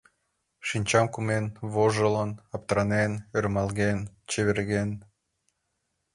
Шинчам кумен, вожылын, аптыранен, ӧрмалген, чеверген...